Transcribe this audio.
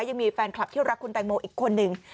ยังมีแฟนคลับที่รักคุณแตงโมอีกคนนึง